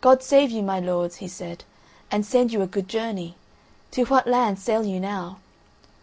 "God save you, my lords," he said, "and send you a good journey. To what land sail you now?"